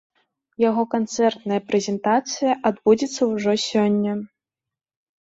Яго канцэртная прэзентацыя адбудзецца ўжо сёння.